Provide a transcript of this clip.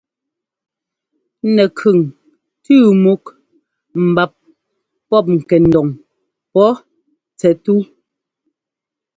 Nɛkʉŋ tʉ́ múk mbap pɔ́p ŋkɛndoŋ pɔ́ tsɛt tú.